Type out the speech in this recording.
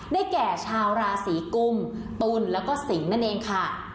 แก่ชาวราศีกุมตุลแล้วก็สิงห์นั่นเองค่ะ